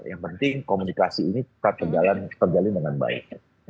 yang penting komunikasi ini tetap terjalin dengan baik